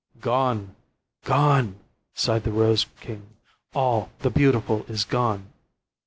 "Gone! gone!" sighed the rose king. "All the beautiful is gone!"